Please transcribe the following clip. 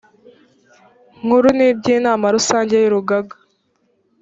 nkuru n iby inama rusange y urugaga